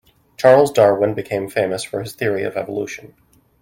Charles Darwin became famous for his theory of evolution.